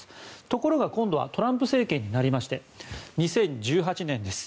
ところが今度はトランプ政権になりまして２０１８年です。